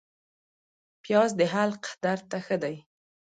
پیاز د حلق درد ته ښه دی